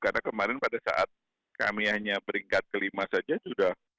karena kemarin pada saat kami hanya beringkat kelima saja sudah